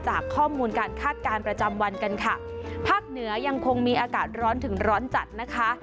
จากข้อมูลการคาดการณ์ประจำวันกันค่ะภาคเหนือยังคงมีอากาศร้อนถึงร้อนจัดนะคะ